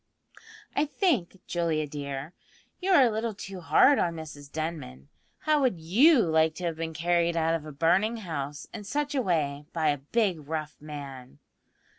"I think, Julia dear, you are a little too hard on Mrs Denman. How would you like to have been carried out of a burning house in such a way by a big rough man?"